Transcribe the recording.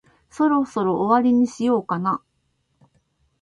そろそろ終わりにしようかな。